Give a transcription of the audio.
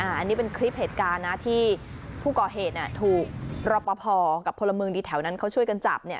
อันนี้เป็นคลิปเหตุการณ์นะที่ผู้ก่อเหตุถูกรอปภกับพลเมืองดีแถวนั้นเขาช่วยกันจับเนี่ย